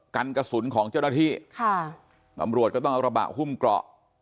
กันกระสุนของเจ้าหน้าที่ค่ะตำรวจก็ต้องเอากระบะหุ้มเกราะ